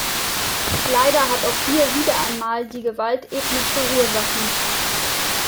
Leider hat auch hier wieder einmal die Gewalt ethnische Ursachen.